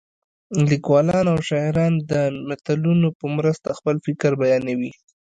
لیکوالان او شاعران د متلونو په مرسته خپل فکر بیانوي